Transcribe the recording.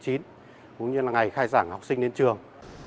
cũng như là ngày khai giảng học sinh đến trường